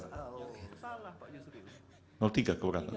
salah pak asrun tiga keberatan